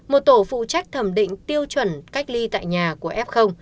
một tổ phụ trách thẩm định tiêu chuẩn cách ly tại nhà của f